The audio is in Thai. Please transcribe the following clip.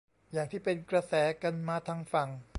อย่างที่เป็นกระแสกันมาทางฝั่ง